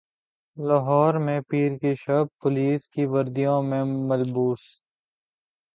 لاہور میں پیر کی شب پولیس کی وردیوں میں ملبوس